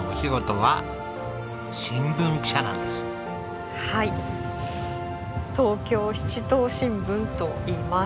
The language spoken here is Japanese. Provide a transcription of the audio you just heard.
はい『東京七島新聞』といいます。